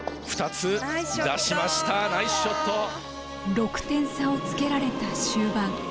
６点差をつけられた終盤。